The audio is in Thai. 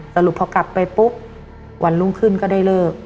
สรุปพอกลับไปปุ๊บวันรุ่งขึ้นก็ได้เลิก